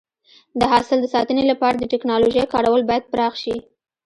د حاصل د ساتنې لپاره د ټکنالوژۍ کارول باید پراخ شي.